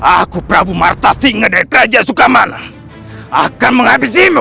aku prabu marta singa dari kerajaan sukamana akan menghabisimu